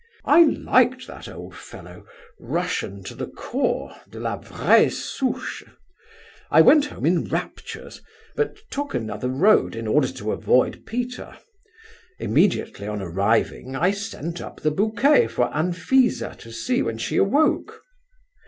I liked that old fellow, Russian to the core, de la vraie souche. I went home in raptures, but took another road in order to avoid Peter. Immediately on arriving I sent up the bouquet for Anfisa to see when she awoke.